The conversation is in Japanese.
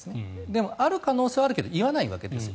でもある可能性はあるけど言わないわけです。